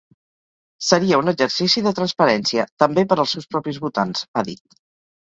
Seria un exercici de transparència, també per als seus propis votants, ha dit.